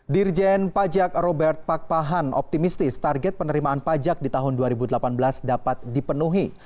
dirjen pajak robert pakpahan optimistis target penerimaan pajak di tahun dua ribu delapan belas dapat dipenuhi